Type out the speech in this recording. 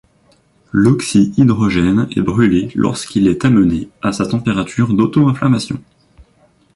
L'oxyhydrogène est brûlé lorsqu'il est amené à sa température d'auto-inflammation.